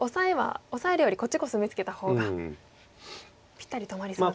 オサえるよりこっちコスミツケた方がぴったり止まりそうですか。